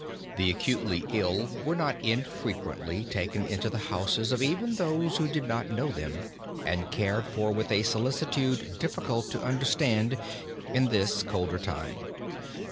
The acutely ill were not infrequently taken into the houses of even those who did not know them, and cared for with a solicitude difficult to understand in this, colder time.